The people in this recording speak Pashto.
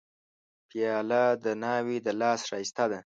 پیاله د ناوې د لاس ښایسته ده.